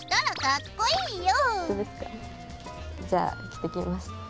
じゃあ着てきます。